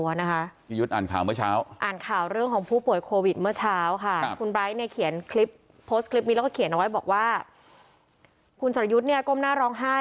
คุณสรยุทธ์เนี่ยก้มหน้าร้องไห้